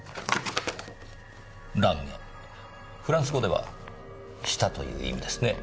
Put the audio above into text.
フランス語では「舌」という意味ですねぇ。